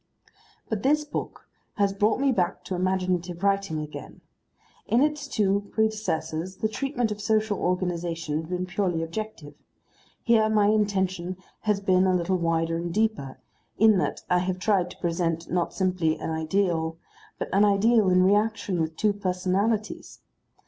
But this book has brought me back to imaginative writing again. In its two predecessors the treatment of social organisation had been purely objective; here my intention has been a little wider and deeper, in that I have tried to present not simply an ideal, but an ideal in reaction with two personalities.